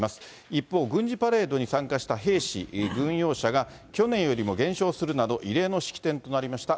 一方、軍事パレードに参加した兵士、軍用車が去年よりも減少するなど、異例の式典となりました。